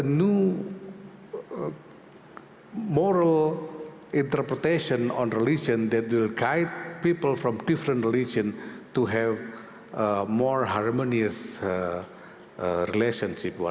retno juga menyampaikan bahwa dia akan menjelaskan keberpihakan indonesia terhadap palestina